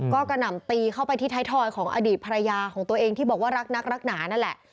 ก็กระหน่ำตีเข้าไปที่ไทยทอยของอดีตภรรยาของตัวเองที่บอกว่ารักนักรักหนานั่นแหละ